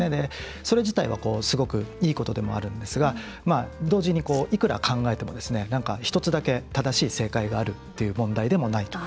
それ自体はすごくいいことでもあるんですが同時にいくら考えても１つだけ正しい正解があるという問題でもないと。